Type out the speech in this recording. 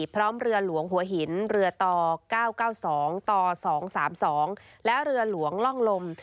พร้อมเรือหลวงหัวหินเรือต่อ๙๙๒ต่อ๒๓๒และเรือหลวงล่องลม